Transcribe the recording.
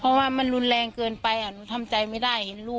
เพราะว่ามันรุนแรงเกินไปอะ